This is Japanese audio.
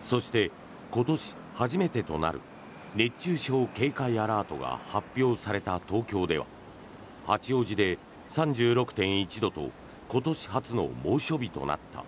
そして、今年初めてとなる熱中症警戒アラートが発表された東京では八王子で３６．１度と今年初の猛暑日となった。